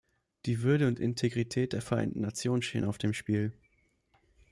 Die Würde und Integrität der Vereinten Nationen stehen auf dem Spiel.